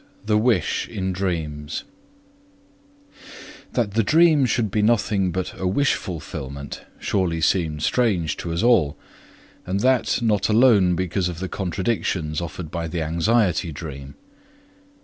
p. 2. VI THE WISH IN DREAMS That the dream should be nothing but a wish fulfillment surely seemed strange to us all and that not alone because of the contradictions offered by the anxiety dream.